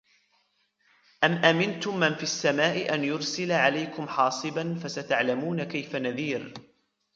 أم أمنتم من في السماء أن يرسل عليكم حاصبا فستعلمون كيف نذير